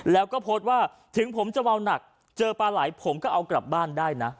แล้วก็โพสต์ว่าถึงผมจะเมาหนักเจอปลาไหลผมก็เอากลับบ้านได้นะ